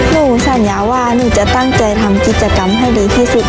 หนูสัญญาว่าหนูจะตั้งใจทำกิจกรรมให้ดีที่สุด